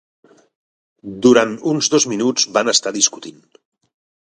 Durant uns dos minuts van estar discutint.